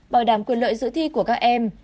bảo đảm quyền lợi giữ thi của các em